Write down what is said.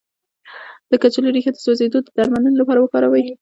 د کچالو ریښه د سوځیدو د درملنې لپاره وکاروئ